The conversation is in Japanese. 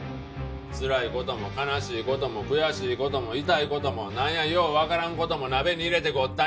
つらい事も悲しい事も悔しい事も痛い事もなんやようわからん事も鍋に入れてごった煮や！